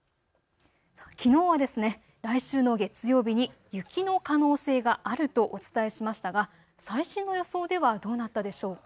きのうは来週の月曜日に雪の可能性があるとお伝えしましたが最新の予想ではどうなったでしょうか。